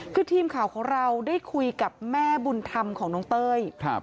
คือทีมข่าวของเราได้คุยกับแม่บุญธรรมของน้องเต้ย